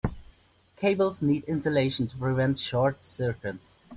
Cables need insulation to prevent short circuits.